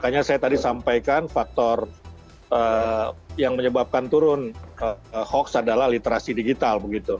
makanya saya tadi sampaikan faktor yang menyebabkan turun hoax adalah literasi digital